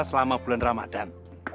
selama bulan ramadhan